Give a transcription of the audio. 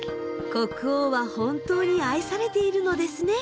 国王は本当に愛されているのですね。